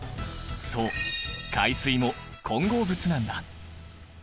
そう海水も混合物なんだ。